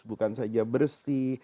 bukan saja bersih